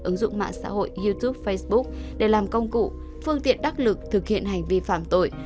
ứng dụng mạng xã hội youtube facebook để làm công cụ phương tiện đắc lực thực hiện hành vi phạm tội